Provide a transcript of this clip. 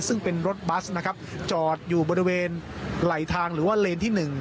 ซึ่งเป็นรถบัสนะครับจอดอยู่บริเวณไหลทางหรือว่าเลนที่๑